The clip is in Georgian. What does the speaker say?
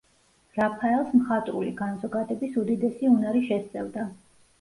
რაფაელს მხატვრული განზოგადების უდიდესი უნარი შესწევდა.